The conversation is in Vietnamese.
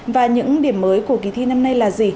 và những điểm mới của kỳ thi năm nay là gì